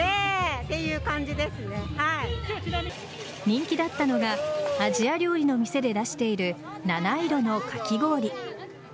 人気だったのがアジア料理の店で出している７色のかき氷。